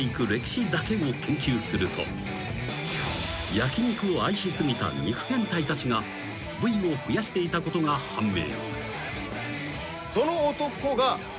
［焼肉を愛し過ぎた肉ヘンタイたちが部位を増やしていたことが判明］